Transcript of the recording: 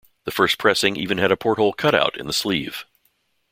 The first pressing even had a porthole cut out in the sleeve.